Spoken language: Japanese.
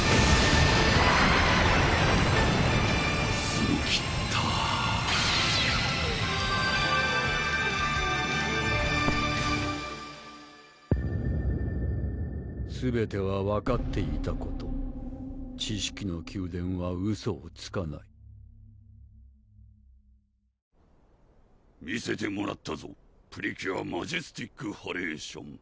スミキッタすべては分かっていたこと知識の宮殿はウソをつかない見せてもらったぞ「プリキュア・マジェスティックハレーション」